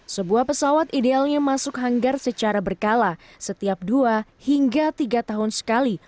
sebuah pesawat idealnya masuk hanggar secara berkala setiap dua hingga tiga tahun sekali